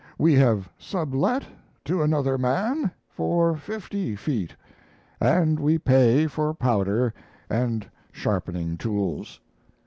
We have sublet to another man for 50 ft., and we pay for powder and sharpening tools.